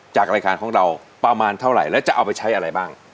จากรายการของเราประมาณเท่าไหร่แล้วจะเอาไปใช้อะไรบ้าง